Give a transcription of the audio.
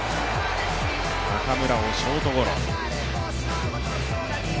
中村をショートゴロ。